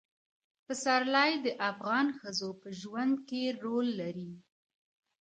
پسرلی د افغان ښځو په ژوند کې رول لري.